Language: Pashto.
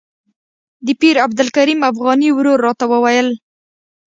د پیر عبدالکریم افغاني ورور راته وویل.